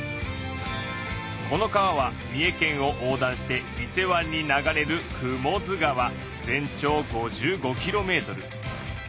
この川は三重県を横断して伊勢湾に流れる全長５５キロメートル。